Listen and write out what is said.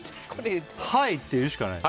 はいって言うしかない。